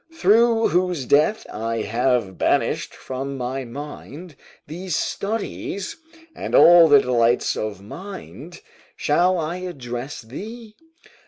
Through whose death I have banished from my mind these studies, and all the delights of the mind. Shall I address thee?